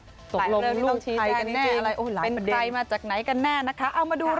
ตกลงลูกชี้แจงแน่เป็นใครมาจากไหนกันแน่นะคะเอามาดูเรื่อง